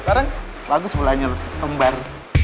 sekarang bagus mulanya lo kembar